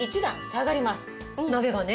鍋がね。